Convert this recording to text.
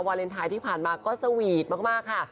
วาเลนไทยที่ผ่านมาก็สวีทมากค่ะ